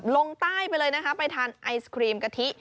ลงใต้ไปเลยนะคะไปทานไอศครีมกะทิ